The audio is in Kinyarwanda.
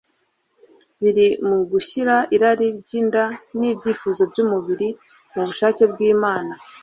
biri mu gushyira irari ry'inda n'ibyifizo by'umubiri mu bushake bw'Imana.